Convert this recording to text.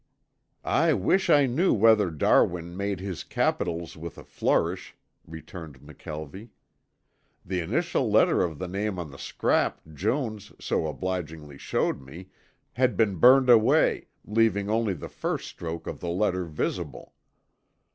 "I wish I knew whether Darwin made his capitals with a flourish," returned McKelvie. "The initial letter of the name on the scrap Jones so obligingly showed me had been burned away, leaving only the first stroke of the letter visible.